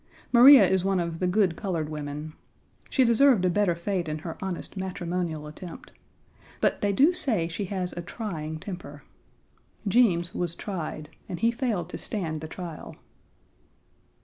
Maria is one of the good colored women. She deserved a better fate in her honest matrimonial attempt. But they do say she has a trying temper. Jeems was tried, and he failed to stand the trial.